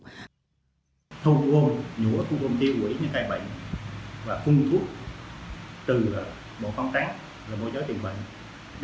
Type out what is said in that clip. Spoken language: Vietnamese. thông vô nhũa cung cung tiêu quỷ những cái bệnh và phung thuốc từ bộ phong tráng và môi giới tìm bệnh